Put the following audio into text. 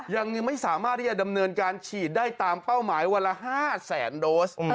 ยังไม่สามารถที่จะดำเนินการฉีดได้ตามเป้าหมายวันละ๕แสนโดส